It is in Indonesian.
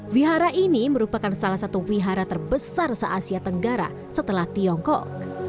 wihara ini merupakan salah satu wihara terbesar se asia tenggara setelah tiongkok